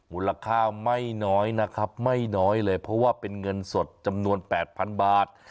มูลค่าไม่น้อยนะครับไม่น้อยเลยเพราะว่าเป็นเงินสดจำนวน๘๐๐๐บาท